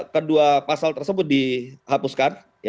kedua pasal tersebut dihapuskan